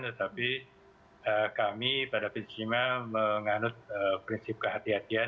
tetapi kami pada prinsipnya menganut prinsip kehatian